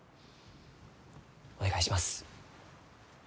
お願いします。